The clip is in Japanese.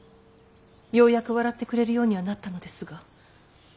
ようやく笑ってくれるようにはなったのですが。